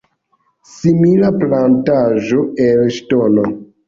Simila plataĵo el ŝtono.